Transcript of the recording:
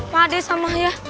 pak d sama ya